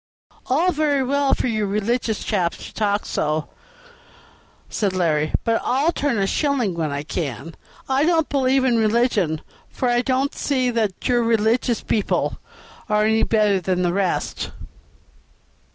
"All very well for you religious chaps to talk so," said Larry; "but I'll turn a shilling when I can. I don't believe in religion, for I don't see that your religious people are any better than the rest."